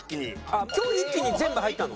今日一気に全部入ったの？